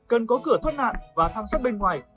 cần có cửa thoát nạn và thang sắt bên ngoài